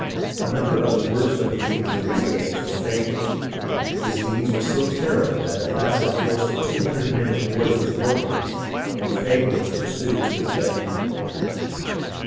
" Another of the worst of the leaders of these gangs was Faaan. His deeds were so terrible that at last a force of two hundred men and boys was organized, and Fagan was pursued to his death.